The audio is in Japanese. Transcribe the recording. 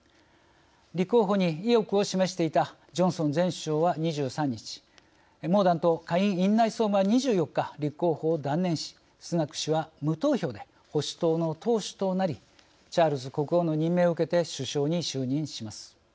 立候補に意欲を示していたジョンソン前首相は２３日モーダント下院院内総務は２４日、立候補を断念しこれによってスナク氏は無投票で保守党の党首となりチャールズ国王の任命を受けて首相に就任します。